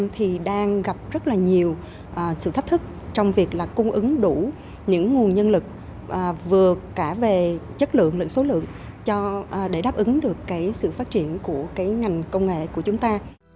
thì đang gặp rất là nhiều sự thách thức trong việc là cung ứng đủ những nguồn nhân lực vừa cả về chất lượng lẫn số lượng để đáp ứng được cái sự phát triển của cái ngành công nghệ của chúng ta